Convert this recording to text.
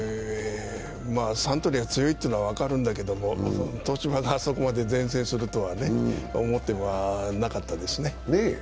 サントリーが強いというのは分かるんですけど東芝があそこまで善戦するとは思ってはなかったですね。